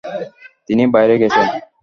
তিনি বাইরে গেছেন।